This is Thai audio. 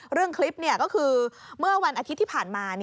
เรื่องคลิปก็คือเมื่อวันอาทิตย์ที่ผ่านมา